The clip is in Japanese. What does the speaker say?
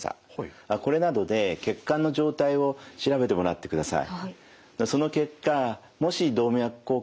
これなどで血管の状態を調べてもらってください。